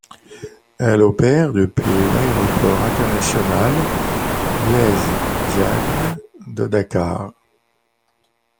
Elle opère depuis l'Aéroport international Blaise-Diagne de Dakar.